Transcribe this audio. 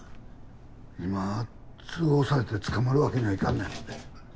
今通報されて捕まるわけにはいかんねん。